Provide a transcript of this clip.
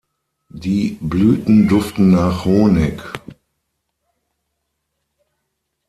Die Blüten duften nach Honig.